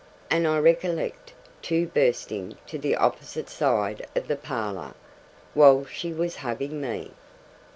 And I recollect two bursting to the opposite side of the parlour, while she was hugging me.